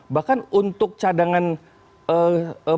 bahkan untuk cadangan nikel